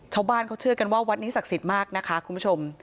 ชาวบ้านเขาเชื่อกันว่าวัดนี้ศักดิ์สิทธิ์มากนะคะคุณผู้ชม